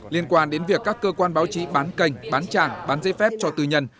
liên quan đến việc các cơ quan báo chí bán kênh bán trang bán giấy phép cho tư nhân